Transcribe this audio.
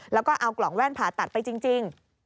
แล้วก็เอากล่องแว่นผ่าตัดไปจริง